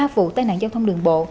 ba vụ tai nạn giao thông đường bộ